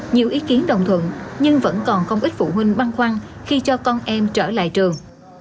nhiều ý kiến đồng thuận nhưng vẫn còn không ít phụ huynh băn khoăn khi cho con em trở lại trường